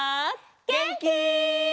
げんき？